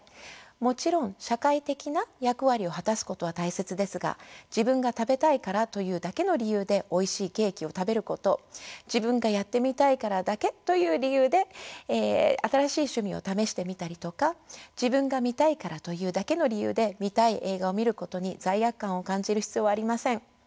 もちろん社会的な役割を果たすことは大切ですが自分が食べたいからというだけの理由でおいしいケーキを食べること自分がやってみたいからだけという理由で新しい趣味を試してみたりとか自分が見たいからというだけの理由で見たい映画を見ることに罪悪感を感じる必要はありません。